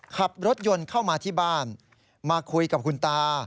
ขับรถยนต์เข้ามาที่บ้านมาคุยกับคุณตา